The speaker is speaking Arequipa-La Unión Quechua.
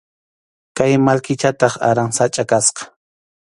Kay mallkichataq aransachʼa kasqa.